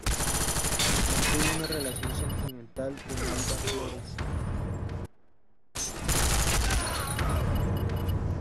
Mantuvo una relación sentimental con Alba Flores.